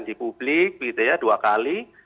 di publik gitu ya dua kali